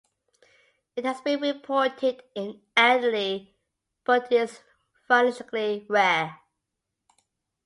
It has been reported in elderly but is vanishingly rare.